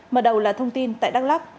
mở đầu là thông tin tại đắk lắk